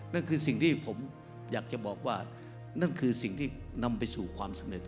นั่นคือสิ่งที่ผมอยากจะบอกว่านั่นคือสิ่งที่นำไปสู่ความสำเร็จ